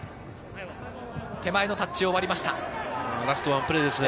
手前のタッチを割りました。